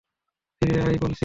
ফিরে আয় বলছি!